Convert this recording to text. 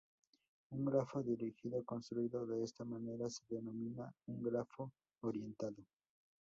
Un grafo dirigido construido de esta manera se denomina un grafo orientado.